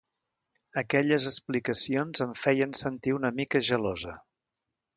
Aquelles explicacions em feien sentir una mica gelosa.